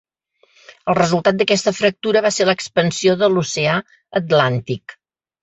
El resultat d'aquesta fractura va ser l'expansió de l'Oceà Atlàntic.